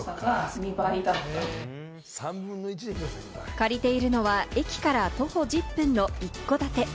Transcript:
借りているのは、駅から徒歩１０分の一戸建て。